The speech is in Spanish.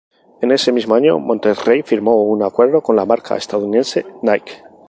En ese mismo año, Monterrey firmó un acuerdo con la marca estadounidense Nike.